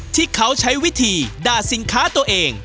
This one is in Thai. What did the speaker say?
ที่เขาใช้วิธีด่าสินค้าตัวเอง